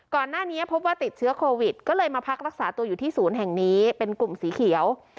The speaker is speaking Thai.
ก่อนหน้านี้พบว่าติดเชื้อโควิดก็เลยมาพักรักษาตัวอยู่ที่ศูนย์แห่งนี้เป็นกลุ่มสีเขียว